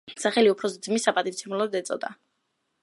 სახელი უფროსი ძმის საპატივსაცემლოდ ეწოდა.